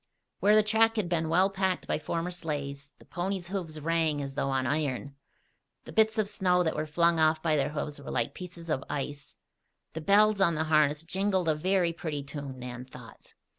Where the track had been well packed by former sleighs, the ponies' hoofs rang as though on iron. The bits of snow that were flung off by their hoofs were like pieces of ice. The bells on the harness jingled a very pretty tune, Nan thought.